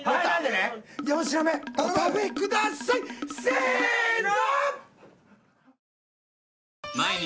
４品目お食べくださいせの！